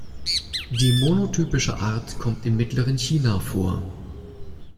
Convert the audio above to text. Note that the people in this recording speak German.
Die monotypische Art kommt im mittleren China vor.